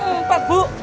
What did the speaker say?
kok empat bu